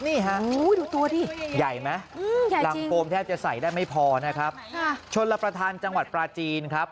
นี่ฮะดูตัวดิใหญ่ไหมใหญ่ลำโฟมแทบจะใส่ได้ไม่พอนะครับชนรับประทานจังหวัดปลาจีนครับ